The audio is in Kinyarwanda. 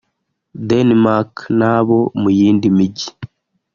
Denmark n’abo mu yindi mijyi